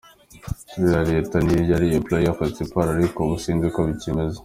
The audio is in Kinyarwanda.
Kera leta niyo yari employeur principal ariko ubu siko bikimeze.